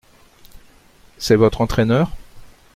C’est votre entraineur ?